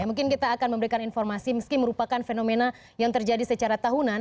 mungkin kita akan memberikan informasi meski merupakan fenomena yang terjadi secara tahunan